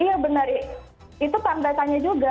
iya benar itu tanda tanya juga